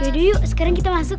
yuk sekarang kita masuk